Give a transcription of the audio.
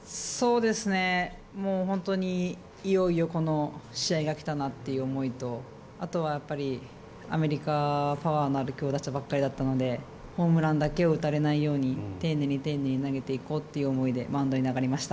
本当にいよいよこの試合が来たなという思いとあとはやっぱり、アメリカはパワーのある強打者ばっかりだったのでホームランだけを打たれないように丁寧に丁寧に投げていこうという思いでマウンドに上がりました。